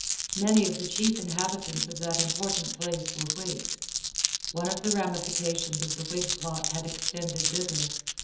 Many of the chief inhabitants of that important place were Whigs. One of the ramifications of the Whig plot had extended thither.